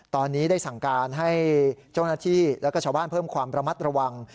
ตอนนี้ได้สั่งการให้เจ้าหน้าที่แล้วก็ชาวบ้านเพิ่มความระมัดระวัง